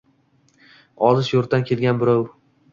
Olis yurtdan kelgan birov